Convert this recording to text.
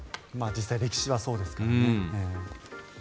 実際歴史はそうですからね。